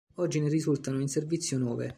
Oggi ne risultano in servizio nove.